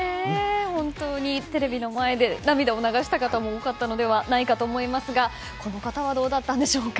本当にテレビの前で涙を流した方も多かったのではないかと思いますがこの方はどうだったんでしょうか。